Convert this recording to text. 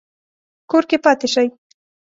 کور کې پاتې شئ